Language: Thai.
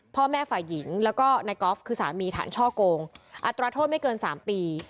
พ่อแม่ฝ่ายหญิงแล้วก็นายกอล์ฟคือสามีฐานช่อโกงอัตราโทษไม่เกิน๓ปี